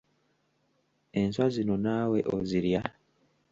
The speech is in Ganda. Enswa zino naawe ozirya?